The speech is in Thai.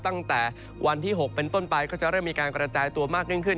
ตั้งแต่วันที่๖เป็นต้นไปก็จะเริ่มมีการกระจายตัวมากยิ่งขึ้น